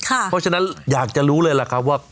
เพราะฉะนั้นอยากจะรู้เลยล่ะครับว่า